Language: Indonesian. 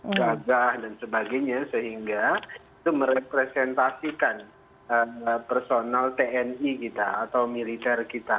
gagah dan sebagainya sehingga itu merepresentasikan personal tni kita atau militer kita